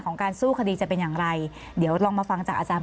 การสู้คดีจะเป็นอย่างไรเดี๋ยวลองมาฟังจากอาจารย์